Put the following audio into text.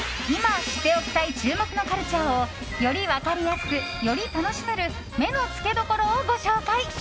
今、知っておきたい注目のカルチャーをより分かりやすく、より楽しめる目のつけどころをご紹介。